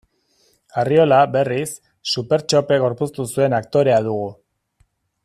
Arriola, berriz, Supertxope gorpuztu zuen aktorea dugu.